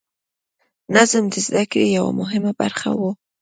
نظم د زده کړې یوه مهمه برخه وه.